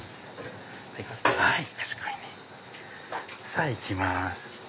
さぁ行きます。